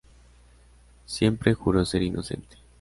Siempre juró ser inocente.